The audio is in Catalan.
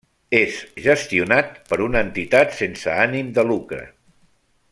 És gestionat per una entitat sense ànim de lucre.